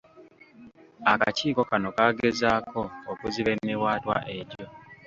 Akakiiko kano kaagezaako okuziba emiwaatwa egyo.